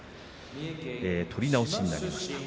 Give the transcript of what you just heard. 取り直しになりました。